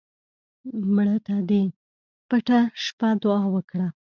مړه ته د پټه شپه دعا وکړه